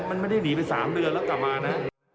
มันไม่ได้หนีไป๓เดือนแล้วกลับมานะ